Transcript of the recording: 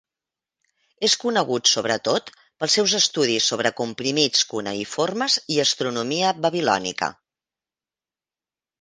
És conegut sobretot pels seus estudis sobre comprimits cuneïformes i astronomia babilònica.